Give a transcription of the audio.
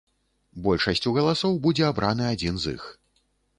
Большасцю галасоў будзе абраны адзін з іх.